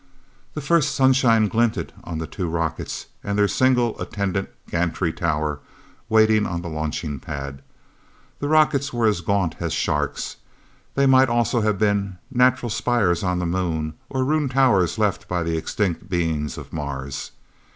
The first sunshine glinted on the two rockets and their single, attendant gantry tower, waiting on the launching pad. The rockets were as gaunt as sharks. They might almost have been natural spires on the Moon, or ruined towers left by the extinct beings of Mars.